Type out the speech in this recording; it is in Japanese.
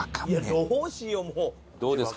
いやどうしよう？